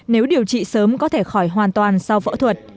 nếu điều trị sớm có thể khỏi hoàn toàn sau phẫu thuật